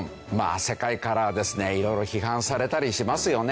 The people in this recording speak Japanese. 世界からですね色々批判されたりしますよね。